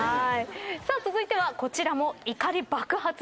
さあ続いてはこちらも怒り爆発です。